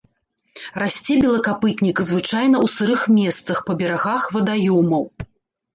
Расце белакапытнік звычайна ў сырых месцах, па берагах вадаёмаў.